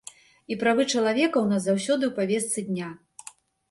І правы чалавека ў нас заўсёды ў павестцы дня.